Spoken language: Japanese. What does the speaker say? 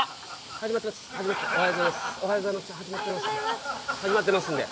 始まってますんで。